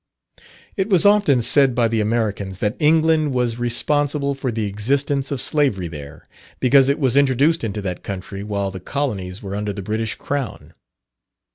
It was often said by the Americans that England was responsible for the existence of slavery there, because it was introduced into that country while the colonies were under the British Crown.